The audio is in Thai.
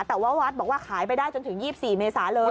แต่ว่าวัดบอกว่าขายไปได้จนถึง๒๔เมษาเลย